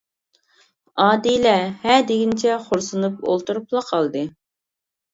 ئادىلە ھە دېگىنىچە خورسىنىپ ئولتۇرۇپلا قالدى.